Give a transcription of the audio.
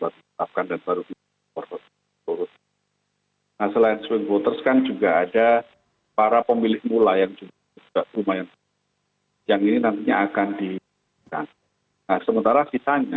sebenarnya kalau kita melihat dulu ini